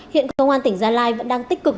hiện công an tỉnh gia lai vẫn đang tích cực